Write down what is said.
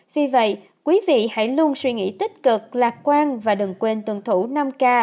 vì vậy quý vị hãy luôn suy nghĩ tích cực lạc quan và đừng quên tuân thủ năm k